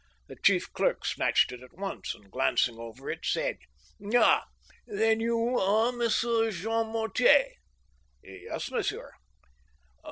The chief clerk snatched it at once, and, glancing over it, said :" Ah ! then you are Monsieur Jean Mortier ?"'* Yes, monsieur."